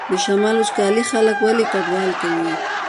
د شمال وچکالي خلک ولې کډوال کوي؟